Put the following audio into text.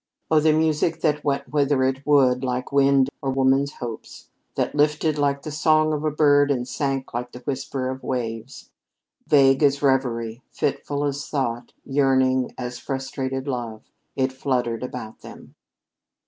Oh, the music that went whither it would, like wind or woman's hopes; that lifted like the song of a bird and sank like the whisper of waves. Vague as reverie, fitful as thought, yearning as frustrate love, it fluttered about them.